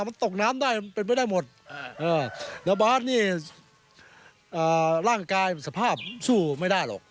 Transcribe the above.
มันตกน้ำได้มันเป็นไปได้หมดแล้วบาสนี่ร่างกายสภาพสู้ไม่ได้หรอก